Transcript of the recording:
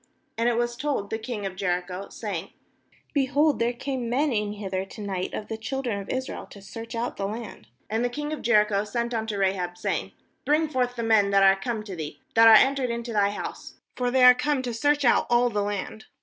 2And it was told the king of Jericho, saying: t Behold, there came men in lather to night of the children of Israel to search out the land.' 3And the king of Jericho sent unto Rahab, saying: 1 Bring forth the men that are come to thee, that are entered into thy house; for they are come to search out all the land.'